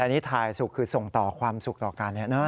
แต่นี่ถ่ายสุขคือส่งต่อความสุขต่อการเนี่ยนะ